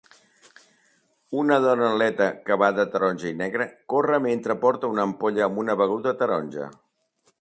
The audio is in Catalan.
Una dona atleta que va de taronja i negre corre mentre porta una ampolla amb una beguda taronja.